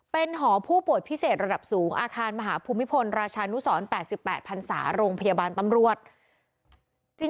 เป็นหอผู้ป่วยพิเศษระดับสูงอาคารมหาภูมิพลราชานุสร๘๘พันศาโรงพยาบาลตำรวจ